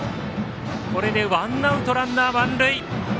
これでワンアウト、ランナー満塁。